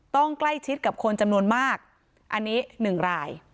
ต้องใกล้ชิดกับคนจำนวนมากอันนี้หนึ่งราย